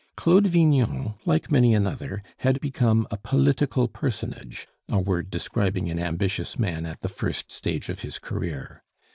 Claude Vignon, like many another, had become a political personage a word describing an ambitious man at the first stage of his career.